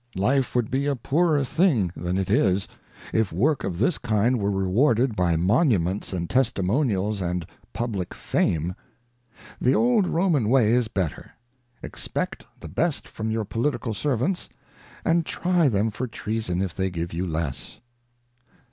Life would be a poorer thing than it is if work of this kind were rewarded by monuments and testimonials and public fame. The old Roman way is better : expect the best from your political servants, and try them for treason if they give you less.